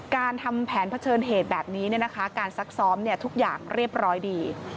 การทำแผนเผชิญเหตุแบบนี้การซักซ้อมทุกอย่างเรียบร้อยดี